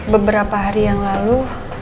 beberapa hari yang lalu